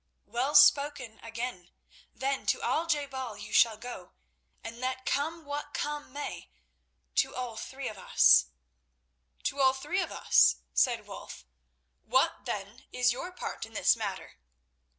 "Well spoken again! Then to Al je bal you shall go, and let come what may—to all three of us!" "To all three of us?" said Wulf. "What, then, is your part in this matter?"